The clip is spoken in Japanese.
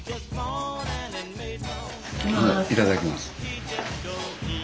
いただきます。